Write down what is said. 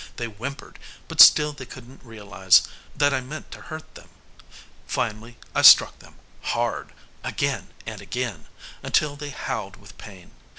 They whimpered, but still they couldn't realize that I meant to hurt them. Finally, I struck them hard again and again until they howled with pain.